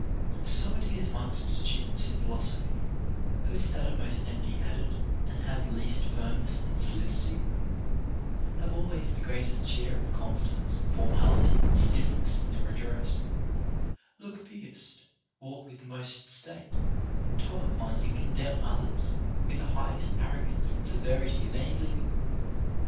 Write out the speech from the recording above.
So it is amongst students in philosophy ; those that are most empty headed, and have least firmness and solidity, have always the greatest share of confidence, formality, and stiffness in their ad dress, look biggest, walk with the most state, and top upon and condemn others, with the highest arrogance and se verity of any living.